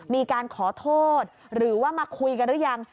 มีการขอโทษหรือว่ามาคุยกันหรือยัง